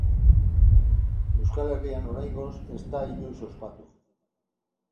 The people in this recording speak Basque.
Euskal Herrian oraingoz ez da inoiz ospatu.